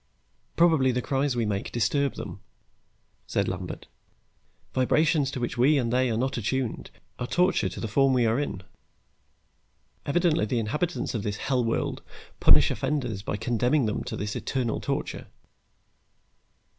"Probably the cries we make disturb them," said Lambert. "Vibrations to which we and they are not attuned are torture to the form we are in. Evidently the inhabitants of this hell world punish offenders by condemning them to this eternal torture."